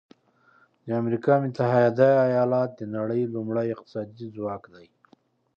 د امریکا متحده ایالات د نړۍ لومړی اقتصادي ځواک دی.